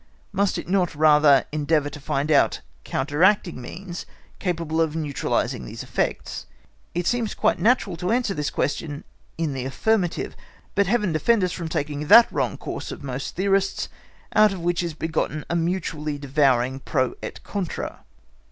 —must it not rather endeavour to find out counteracting means capable of neutralising these effects? It seems quite natural to answer this question in the affirmative; but heaven defend us from taking that wrong course of most theories, out of which is begotten a mutually devouring Pro et Contra.